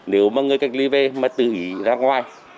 nếu mà người cách ly về mà tự ý ra ngoài